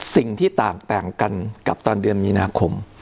สิ่งที่ต่างกันกับตอนเดือนมีนาคม